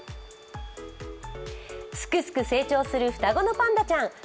すくすく成長する双子のパンダちゃん。